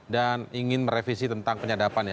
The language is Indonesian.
dan ingin merevisi tentang penyadapan